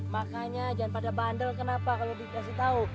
makanya jangan pada bandel kenapa kalo dikasih tau